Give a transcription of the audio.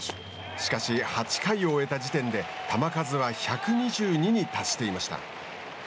しかし、８回を終えた時点で球数は１２２に達していました。